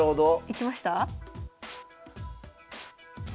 いきました？